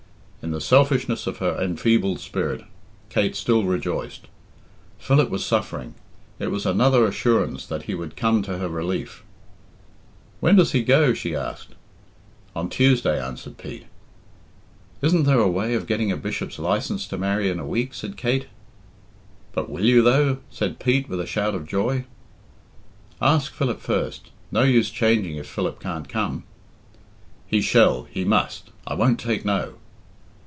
In the selfishness of her enfeebled spirit, Kate still rejoiced. Philip was suffering. It was another assurance that he would come to her relief. "When does he go?" she asked. "On Tuesday," answered Pete. "Isn't there a way of getting a Bishop's license to marry in a week?" said Kate. "But will you, though?" said Pete, with a shout of joy. "Ask Philip first. No use changing if Philip can't come." "He shall he must. I won't take No."